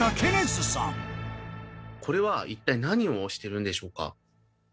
これはいったい何をしてるんでしょうか？